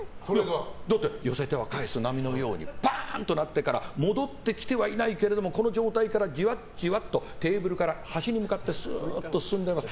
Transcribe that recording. だって寄せては返す波のようにパーンとなってから戻ってきてはいないけれどもこの状態からじわっとテーブルから端に向かって進んでおります。